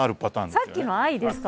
さっきの「Ｉ」ですか。